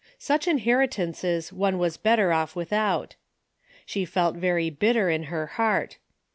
Such inheritances one was better off without. She felt very bitter in her heart.